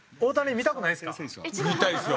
見たいですよ。